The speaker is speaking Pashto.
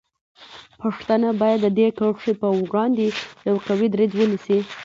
پښتانه باید د دې کرښې په وړاندې یو قوي دریځ ونیسي.